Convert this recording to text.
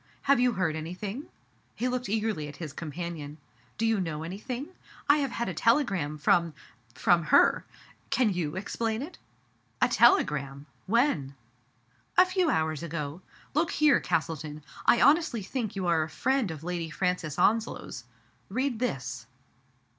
Have you heard anything ?" He looked eagerly at his companion. " Do you know any thing? I have had a telegram from — from her. Can you explain it ?" "A telegram! When?" " A few hours ago. Look here, Castleton. I honestly think you are a friend of Lady Francis Onslow's — read this."